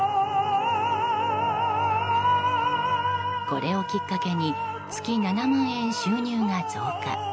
これをきっかけに月７万円、収入が増加。